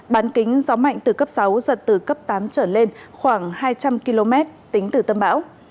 bán kính gió mạnh từ cấp sáu giật từ cấp tám trở lên khoảng hai trăm linh km tính từ tâm bão